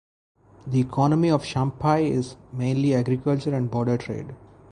The economy of Champhai is mainly agriculture and border trade.